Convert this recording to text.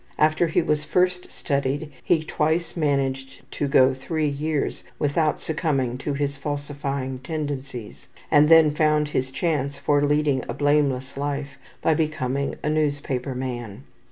After he was first studied he twice managed to go 3 years without succumbing to his falsifying tendencies, and then found his chance for leading a blameless life by becoming a newspaper man.